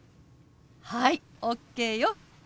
はいＯＫよ。